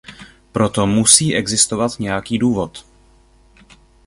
Pro to musí existovat nějaký důvod.